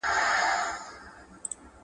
- حبیبالله سامع، شاعر.